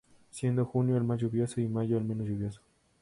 Siendo junio el más lluvioso y mayo el menos lluvioso.